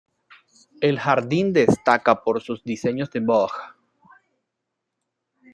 El jardín destaca por sus diseños de boj.